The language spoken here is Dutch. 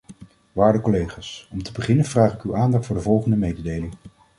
Waarde collega's, om te beginnen vraag ik uw aandacht voor de volgende mededeling.